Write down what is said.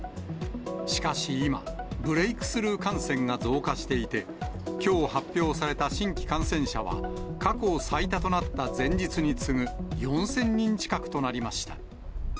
しかし今、ブレークスルー感染が増加していて、きょう発表された新規感染者は、過去最多となった前日に次ぐ、４０００人近くとなりました。